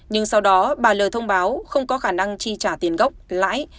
nhưng sau đó bà l thông báo không có khả năng chi trả tiền gốc lãi